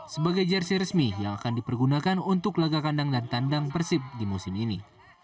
sebagai jersi resmi yang akan dipergunakan untuk laga kandang dan tandang persib di musim ini